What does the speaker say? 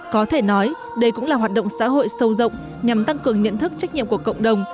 có thể nói đây cũng là hoạt động xã hội sâu rộng nhằm tăng cường nhận thức trách nhiệm của cộng đồng